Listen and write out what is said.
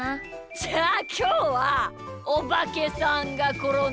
じゃあきょうは「おばけさんがころんだ」